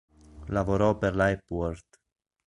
Lavorò per la Hepworth.